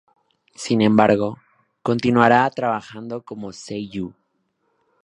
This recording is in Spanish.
Sin embargo, continuará trabajando como seiyū.